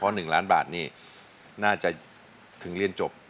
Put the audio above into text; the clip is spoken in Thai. ๑ล้านบาทนี่น่าจะถึงเรียนจบ